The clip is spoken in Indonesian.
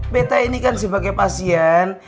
peta ini kan sebagai pasien